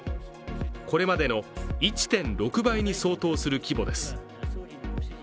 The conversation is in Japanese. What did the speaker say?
これまでの１．６倍に相当する規模です。